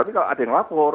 tapi kalau ada yang lapor